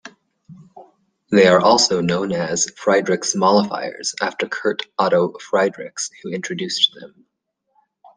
They are also known as Friedrichs mollifiers after Kurt Otto Friedrichs, who introduced them.